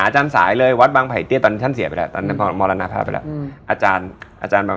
กลับมาฝั่ง